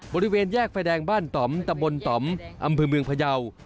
บริเวณแยกไฟแดงบ้านต่อมตะบนต่อมอำเภอเมืองพยาว